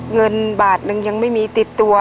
เงินบาทนึงยังไม่มีติดตัว